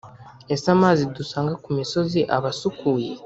Ese amazi dusanga ku misozi aba asukuye ?